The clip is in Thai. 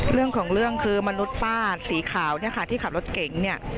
เรื่องของเรื่องคือมนุษย์ป้าสีขาวที่ขับรถเก๋ง